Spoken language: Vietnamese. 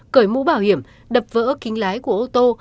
cởi mũ bảo hiểm đập vỡ kính lái của ô tô